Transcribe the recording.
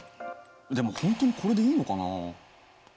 でも本当にこれでいいのかな？